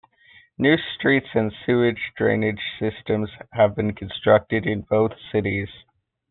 New streets and sewage drainage systems have been constructed in both cities.